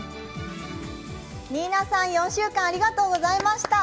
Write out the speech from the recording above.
ニーナさん、４週間ありがとうございました！